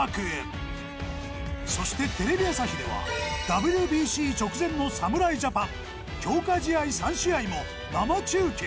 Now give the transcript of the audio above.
そしてテレビ朝日ではＷＢＣ直前の侍ジャパン強化試合３試合も生中継。